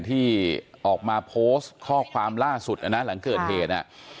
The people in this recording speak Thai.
ที่ออกมาโพสต์ข้อความล่าสุดนะหลังเกิดเหตุ